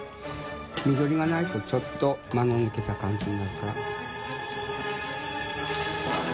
个覆いちょっと間の抜けた感じになるから。